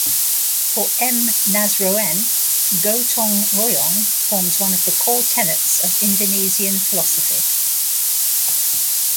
For M. Nasroen, "gotong royong" forms one of the core tenets of Indonesian philosophy.